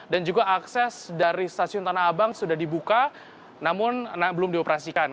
dan juga akses dari stasiun tanah abang sudah dibuka namun belum dioperasikan